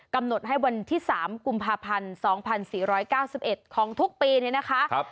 กำหนดให้วันที่๓กุมภาพันธ์๒๔๙๑ของทุกปีเนี่ยนะคะ